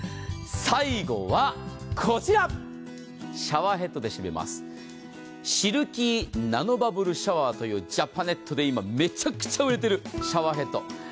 最後は、シャワーヘッドで締めますシルキーナノバブルシャワーというジャパネットで今、めちゃくちゃ売れてるシャワーヘッド。